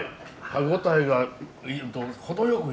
歯応えが程よく良くて。